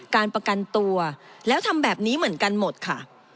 การประกันตัวแล้วทำแบบนี้เหมือนกันหมดค่ะ